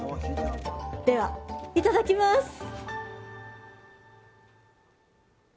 ではいただきます！